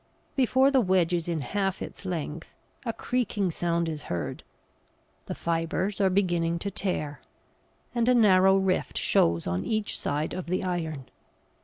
Before the wedge is in half its length a creaking sound is heard; the fibres are beginning to tear, and a narrow rift shows on each side of the iron.